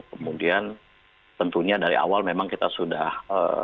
kemudian tentunya dari awal memang kita sudah